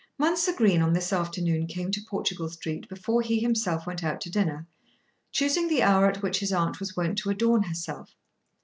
Mounser Green on this afternoon came to Portugal Street before he himself went out to dinner, choosing the hour at which his aunt was wont to adorn herself.